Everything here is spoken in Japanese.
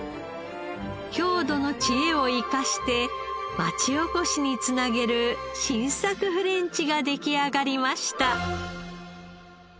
郷土の知恵を生かして町おこしに繋げる新作フレンチが出来上がりました。